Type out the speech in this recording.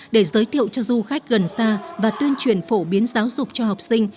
để giới thiệu cho du khách gần xa và tuyên truyền phổ biến giáo dục cho học sinh